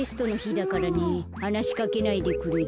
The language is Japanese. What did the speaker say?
はなしかけないでくれる？